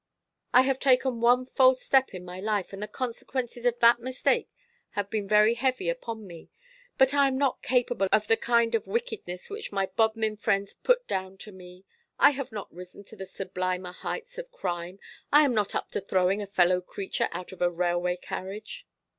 I have taken one false step in my life, and the consequences of that mistake have been very heavy upon me. But I am not capable of the kind of wickedness which my Bodmin friends put down to me. I have not risen to the sublimer heights of crime. I am not up to throwing a fellow creature out of a railway carriage."